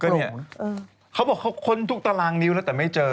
ก็เนี่ยเขาบอกเขาค้นทุกตารางนิ้วแล้วแต่ไม่เจอ